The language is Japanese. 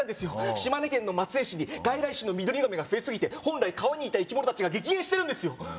島根県の松江市に外来種のミドリガメが増えすぎて本来川にいた生き物達が激減してるんですよ